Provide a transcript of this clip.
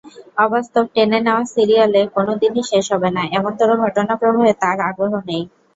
অবাস্তব—টেনে নেওয়া সিরিয়ালে, কোনো দিনই শেষ হবে না—এমনতর ঘটনাপ্রবাহে তাঁর আগ্রহ নেই।